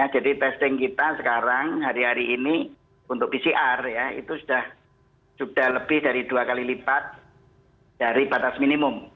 jadi testing kita sekarang hari hari ini untuk pcr itu sudah lebih dari dua kali lipat dari batas minimum